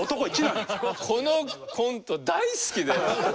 このコント大好きで。